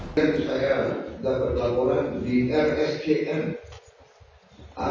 saya sudah berlaku lalu di indonesia